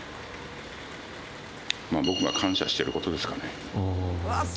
僕が感謝してることですかね。